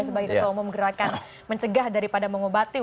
sebagai ketua umum gerakan mencegah daripada mengobati